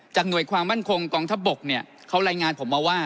จากหน่วยความว่านคงกองทับบกเขาแรงงานผมว่า